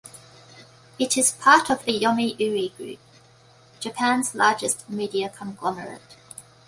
It is part of the Yomiuri Group, Japan's largest media conglomerate.